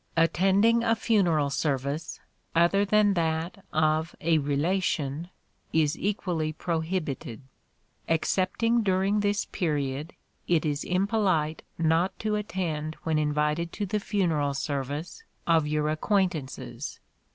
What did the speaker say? Attending a funeral service, other than that of a relation, is equally prohibited. Excepting during this period, it is impolite not to attend when invited to the funeral service of your acquaintances.